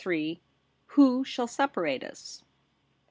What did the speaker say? * WHO SHALL SEPARATE US